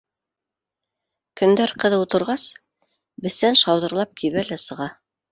Көндәр ҡыҙыу торғас, бесән шауҙырлап кибә лә сыға